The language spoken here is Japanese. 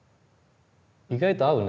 意外と合うね。